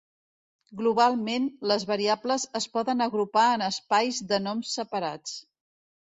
Globalment, les variables es poden agrupar en espais de noms separats.